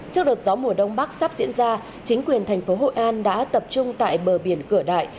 trước đợt gió mùa đông bắc sắp diễn ra chính quyền thành phố hội an đã tập trung tại bờ biển cửa đại